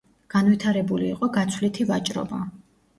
განვითარებული იყო გაცვლითი ვაჭრობა.